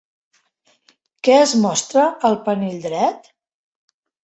Què es mostra al panell dret?